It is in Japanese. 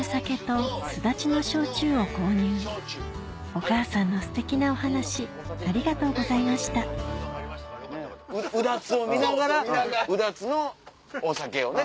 お母さんのステキなお話ありがとうございましたうだつを見ながらうだつのお酒をね。